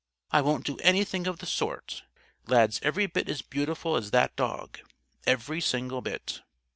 "I won't do anything of the sort. Lad's every bit as beautiful as that dog. Every single bit."